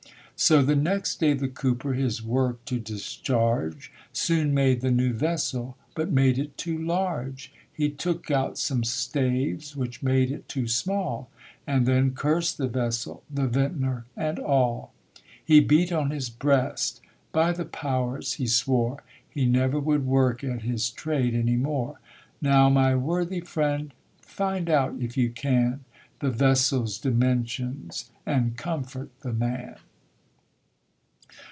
So the next day the Cooper his work to discharge, Soon made the new vessel, but made it too large ; He took out some staves, which made it too small, And then cursed the vessel, the Vintner and all. He beat on his breast, "By the Powers !" he swore He never would work at his trade any more ! Now, my worthy friend, find out, if you can, The vessel's dimensions and comfort the man.